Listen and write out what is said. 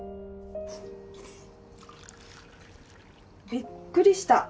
びっくりした。